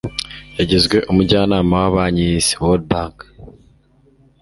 yagizwe umujyanama wa banki y'isi (world bank